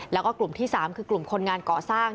แล้วก็กลุ่มที่๓คือกลุ่มคนงานก่อสร้าง